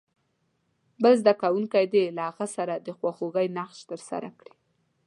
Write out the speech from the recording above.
بل زده کوونکی دې له هغه سره د خواخوږۍ نقش ترسره کړي.